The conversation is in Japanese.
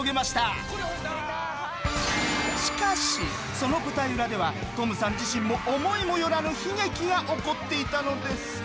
しかしその舞台裏ではトムさん自身も思いもよらぬ悲劇が起こっていたのです。